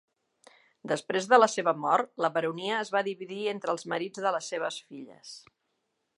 Després de la seva mort, la baronia es va dividir entre els marits de les seves filles.